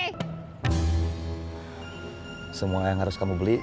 hai semua yang harus kamu beri